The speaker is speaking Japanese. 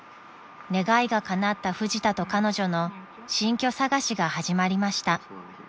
［願いがかなったフジタと彼女の新居探しが始まりました］